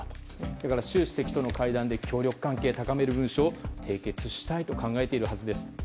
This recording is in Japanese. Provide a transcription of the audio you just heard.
だから習主席との会談で協力関係を高める文書を締結したいと考えているはずです。